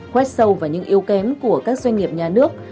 quét sâu vào những yêu kém của các doanh nghiệp nhà nước